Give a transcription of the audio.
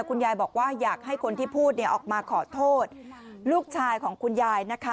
คุณยายบอกว่าอยากให้คนที่พูดเนี่ยออกมาขอโทษลูกชายของคุณยายนะคะ